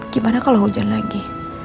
gimana kalau hujan lagi